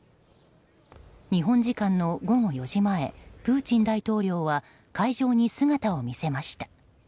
日本時間の午後４時前プーチン大統領は会場に姿を見せました。